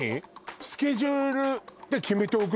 スケジュールで決めておくの？